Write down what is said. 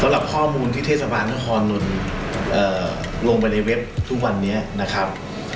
สำหรับข้อมูลที่เทศบาลนครนนท์ลงไปในเว็บทุกวันนี้นะครับ